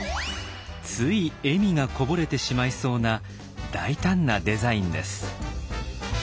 つい笑みがこぼれてしまいそうな大胆なデザインです。